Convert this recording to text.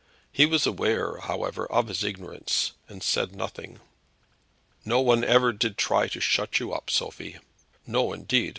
He was aware, however, of his ignorance, and said nothing. "No one ever did try to shut you up, Sophie!" "No, indeed; M.